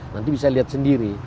nanti bisa lihat sendiri